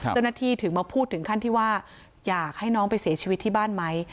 เจ้าหน้าที่ถึงมาพูดถึงขั้นที่ว่าอยากให้น้องไปเสียชีวิตที่บ้านไหม